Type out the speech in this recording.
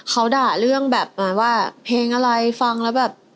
เขาด่าเรื่องแบบประมาณว่าเพลงอะไรฟังแล้วแบบ